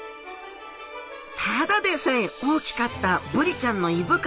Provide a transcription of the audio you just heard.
ただでさえ大きかったブリちゃんの胃袋。